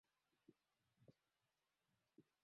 Zaidi ya Waturuki milioni tatu wanaishi Ujerumani na